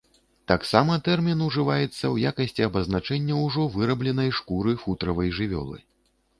Таксама тэрмін ужываецца ў якасці абазначэння ўжо вырабленай шкуры футравай жывёлы.